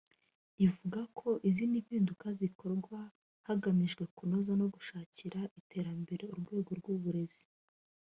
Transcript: ivuga ko izi mpinduka zikorwa hagamijwe kunoza no gushakira iterambere urwego rw’uburezi